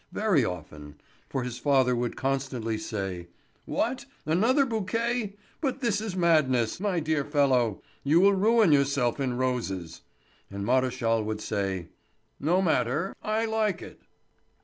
Very often—for his father would constantly say: "What, another bouquet! But this is madness, my dear fellow; you will ruin yourself in roses." And Maréchal would say: "No matter; I like it."